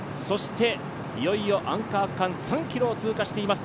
いよいよアンカー区間、３ｋｍを通過しています。